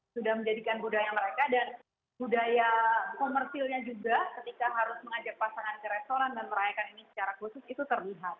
sudah menjadikan budaya mereka dan budaya komersilnya juga ketika harus mengajak pasangan ke restoran dan merayakan ini secara khusus itu terlihat